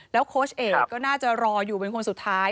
โค้ชเอกก็น่าจะรออยู่เป็นคนสุดท้าย